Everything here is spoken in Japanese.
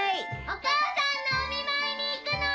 お母さんのお見舞いに行くの！